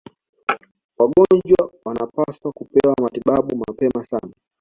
Wagonjwa wanapaswa kupewa matibabu mapema sana